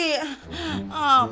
tangan konoked abe